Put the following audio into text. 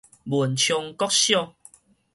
文昌國小